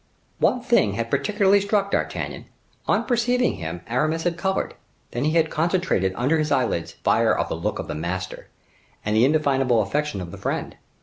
One thing had particularly struck D'Artagnan. On perceiving him, Aramis had colored, then he had concentrated under his eyelids the fire of the look of the master, and the indefinable affection of the friend.